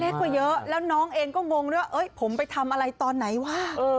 กว่าเยอะแล้วน้องเองก็งงด้วยผมไปทำอะไรตอนไหนวะ